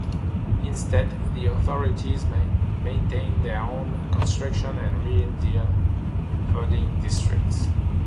Instead, the authorities maintained their own construction of reindeer herding districts.